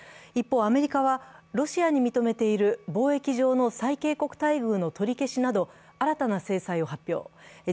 一方、アメリカはロシアに認めている貿易上の最恵国待遇の取り消しなど新たな制裁を発表。